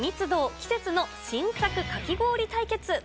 季節の新作かき氷対決。